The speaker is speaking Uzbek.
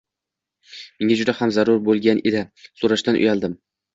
Menga juda ham zarur bo‘lgan edi, so‘rashdan uyaldim.